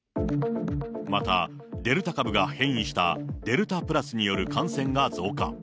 また、デルタ株が変異したデルタプラスによる感染が増加。